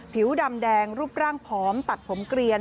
ผิวดำแดงรูปร่างผอมตัดผมเกลียน